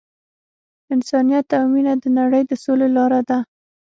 انسانیت او مینه د نړۍ د سولې لاره ده.